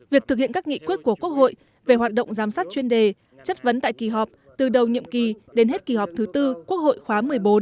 việc thực hiện các nghị quyết của quốc hội về hoạt động giám sát chuyên đề chất vấn tại kỳ họp từ đầu nhiệm kỳ đến hết kỳ họp thứ tư quốc hội khóa một mươi bốn